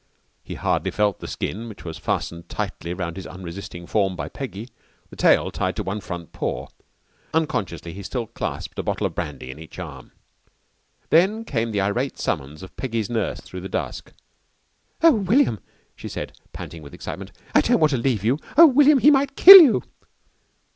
He hardly felt the skin which was fastened tightly round his unresisting form by Peggy, the tail tied to one front paw. Unconsciously he still clasped a bottle of brandy in each arm. Then came the irate summons of Peggy's nurse through the dusk. "Oh, William," she said panting with excitement, "I don't want to leave you. Oh, William, he might kill you!"